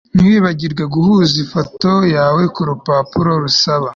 ntiwibagirwe guhuza ifoto yawe kurupapuro rusaba